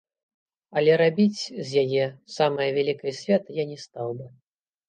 Але рабіць з яе самае вялікае свята я не стаў бы.